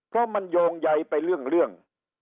ก็มันโยงใยไปเรื่องโรงโรง